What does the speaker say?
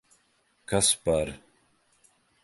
Kas par...